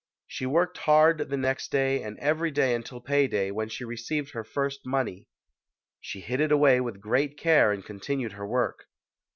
She worked hard the next day and every day until pay day, when she received her first money. She hid it away with great care and continued her work.